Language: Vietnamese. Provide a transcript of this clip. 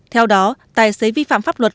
theo đó tài xế vi phạm pháp luật